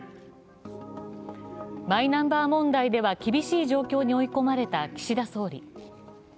マイナンバー問題では厳しい状況に追い込まれた岸田総理。